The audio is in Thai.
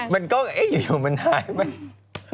มันก็มันหายไม่